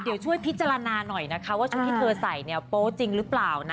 เดี๋ยวช่วยพิจารณาหน่อยนะคะว่าชุดที่เธอใส่เนี่ยโป๊จริงหรือเปล่านะ